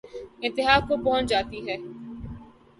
انتہا کو پہنچ جاتی ہے